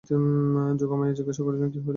যোগমায়া জিজ্ঞাসা করিলেন, কী হইল।